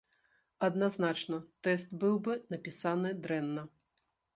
Адназначна, тэст быў бы напісаны дрэнна.